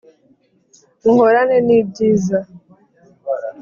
Muhorane n ‘ibyiza .